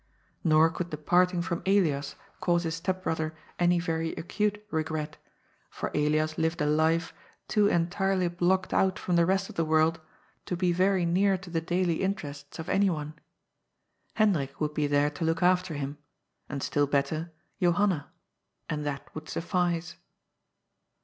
Nor could the part ing from Elias cause his step brother any very acute regret, for Elias lived a life too entirely blocked out from the rest of the world to be very near to the daily interests of any one. Hendrik would be there to look after him, and, still better, Johanna, and that would suffice.